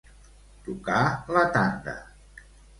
Tocar la tanda.